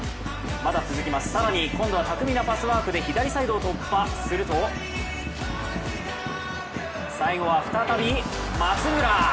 更に今度は巧みなパスワークで左サイドを突破、すると最後は再び松村。